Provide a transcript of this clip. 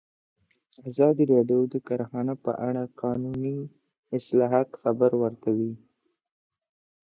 ازادي راډیو د کرهنه په اړه د قانوني اصلاحاتو خبر ورکړی.